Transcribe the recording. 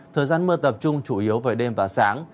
thời gian mưa tập trung chủ yếu về đêm và sáng